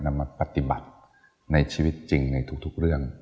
นำมาปฏิบัติในชีวิตจริงในทุกเรื่อง